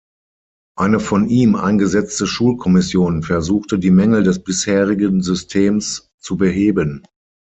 Eine von ihm eingesetzte Schulkommission versuchte die Mängel des bisherigen Systems zu beheben.